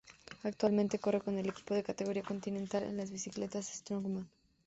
Actualmente corre con el equipo de categoría Continental el Bicicletas Strongman.